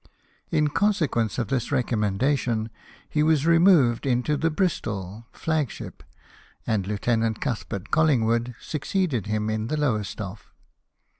In consequence of this recom mendation he was removed into the Bristol flag ship, and Lieutenant Cuthbert Collingwood succeeded him in the Lowestoffe.